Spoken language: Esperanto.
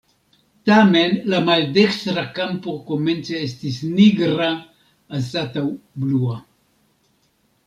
Tamen la maldekstra kampo komence estis nigra anstataŭ blua.